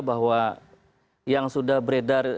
bahwa yang sudah beredar